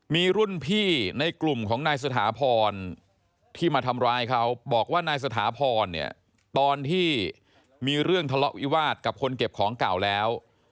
มีรุ่นพี่ในกลุ่มของนายสถาพรที่มาทำร้ายเขาบอกว่านายสถาพรเนี่ยตอนที่มีเรื่องทะเลาะวิวาสกับคนเก็บของเก่าแล้ว